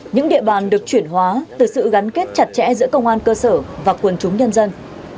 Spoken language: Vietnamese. những địa bàn được chuyển hóa từ sự gắn kết chặt chẽ giữa công an cơ sở và quần chúng nhân dân